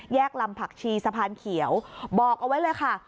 ลำผักชีสะพานเขียวบอกเอาไว้เลยค่ะ